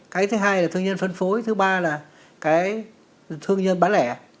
cái thứ hai là thương nhân phân phối thứ ba là cái thương nhân bán lẻ